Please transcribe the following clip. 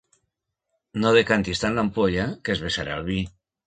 No decantis tant l'ampolla, que es vessarà el vi.